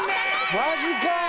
マジか！